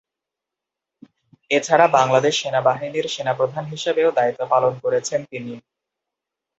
এছাড়া বাংলাদেশ সেনাবাহিনীর সেনাপ্রধান হিসেবেও দায়িত্ব পালন করেছেন তিনি।